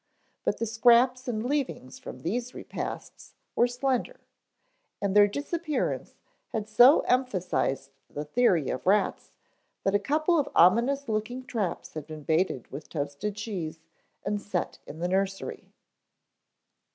But the scraps and leavings from these repasts were slender, and their disappearance had so emphasized the theory of rats that a couple of ominous looking traps had been baited with toasted cheese and set in the nursery.